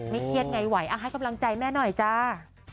เครียดไงไหวให้กำลังใจแม่หน่อยจ้า